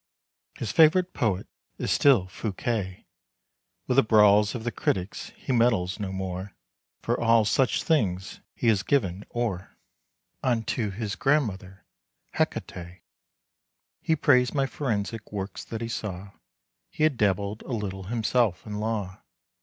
His favorite poet is still Fouqué; With the brawls of the critics he meddles no more, For all such things he has given o'er, Unto his grandmother Hecaté. He praised my forensic works that he saw, He had dabbled a little himself in law.